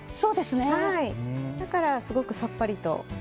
だからすごくさっぱりと。